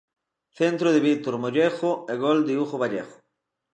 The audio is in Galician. Centro de Víctor Mollejo e gol de Hugo Vallejo.